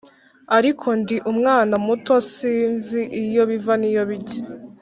ariko ndi umwana muto sinzi iyo biva n’iyo bijya